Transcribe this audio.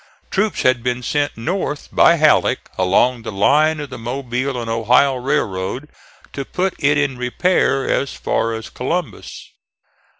Troops had been sent north by Halleck along the line of the Mobile and Ohio railroad to put it in repair as far as Columbus.